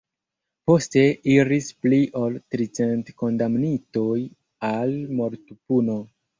Poste iris pli ol tricent kondamnitoj al mortpuno.